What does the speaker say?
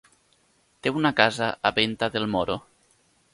Té una casa a Venta del Moro.